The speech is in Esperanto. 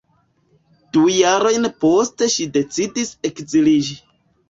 Du jarojn poste ŝi decidas ekziliĝi.